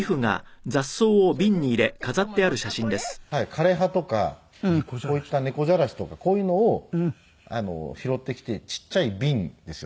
枯れ葉とかこういった猫じゃらしとかこういうのを拾ってきてちっちゃい瓶ですよね。